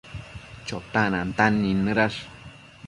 Chotac nantan nidnëdash